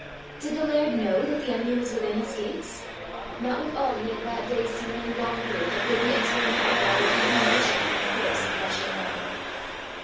Did the laird know that the enemy was within his gates? Not with all he had that day seen and gone through, had Gibbie until now gathered any notion of the force of rushing water.